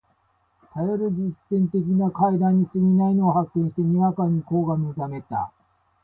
頗る実利的な階段に過ぎないのを発見して、にわかに興が覚めました